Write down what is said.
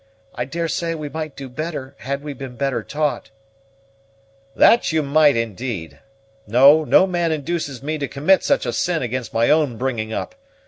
I daresay we might do better, had we been better taught." "That you might, indeed! No; no man induces me to commit such a sin against my own bringing up.